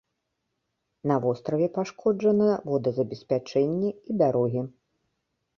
На востраве пашкоджана водазабеспячэнне і дарогі.